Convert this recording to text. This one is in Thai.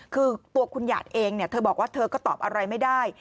คือตัวคุณหยาดเองเธอบอกว่าเธอก็ตอบอะไรไม่ได้